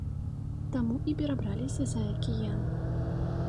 Таму і перабраліся за акіян.